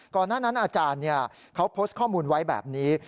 หน้านั้นอาจารย์เขาโพสต์ข้อมูลไว้แบบนี้